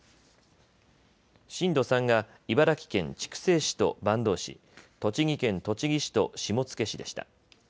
震度３が茨城県筑西市と坂東市、栃木県栃木市と下野市でした。